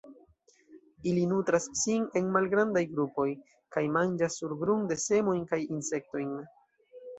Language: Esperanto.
Ili nutras sin en malgrandaj grupoj, kaj manĝas surgrunde semojn kaj insektojn.